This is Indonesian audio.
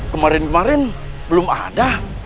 kemarin kemarin belum ada